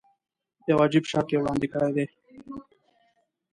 یو عجیب شرط یې وړاندې کړی دی.